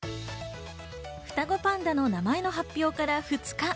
双子パンダの名前の発表から２日。